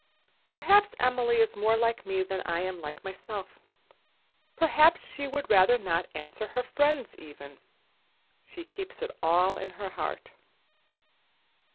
Perhaps Emily is more like me than I am like myself. Perhaps she would rather not answer her friends, even. She keeps it all in her heart."